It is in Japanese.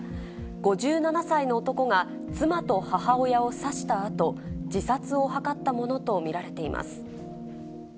５７歳の男が妻と母親を刺したあと、自殺を図ったものと見られています。